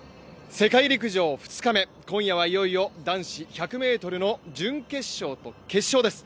世界陸上２日目、今夜はいよいよ男子１００ｍの準決勝と決勝です。